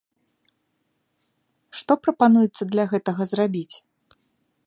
Што прапануецца для гэтага зрабіць?